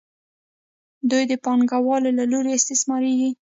دوی د پانګوالو له لوري استثمارېږي